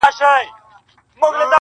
بيا ناڅاپه څوک يوه جمله ووايي او بحث سي,